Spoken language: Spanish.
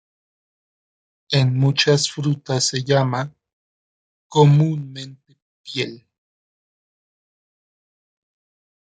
En muchas frutas se llama comúnmente piel.